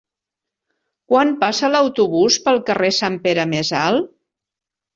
Quan passa l'autobús pel carrer Sant Pere Més Alt?